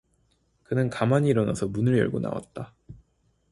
그는 가만히 일어나서 문을 열고 나왔다.